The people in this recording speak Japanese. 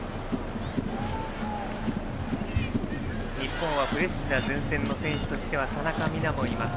日本はフレッシュな前線の選手としては田中美南もいます。